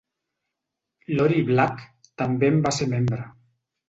Lori Black també en va ser membre.